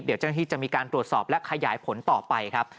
เดี๋ยวเจ้าหน้าที่จะมีการตรวจสอบและขยายผลต่อไปครับ